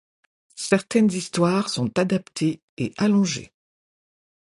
Certaines histoires sont adaptées et allongées.